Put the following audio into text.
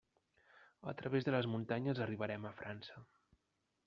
A través de les muntanyes arribarem a França.